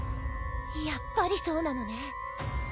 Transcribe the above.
やっぱりそうなのね。